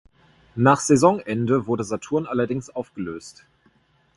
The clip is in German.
Nach Saisonende wurde Saturn allerdings aufgelöst.